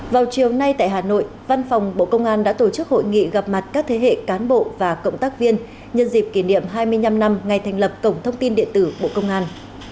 vào chiều nay tại hà nội văn phòng bộ công an đã tổ chức hội nghị gặp mặt các thế hệ cán bộ và cộng tác viên nhân dịp kỷ niệm hai mươi năm năm ngày thành lập cổng thông tin điện tử bộ công an